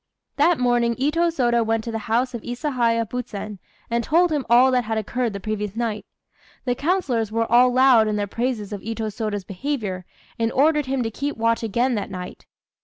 That morning Itô Sôda went to the house of Isahaya Buzen, and told him all that had occurred the previous night. The councillors were all loud in their praises of Itô Sôda's behaviour, and ordered him to keep watch again that night.